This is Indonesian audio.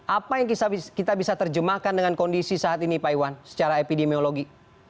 apa yang kita bisa terjemahkan dengan kondisi saat ini pak iwan secara epidemiologi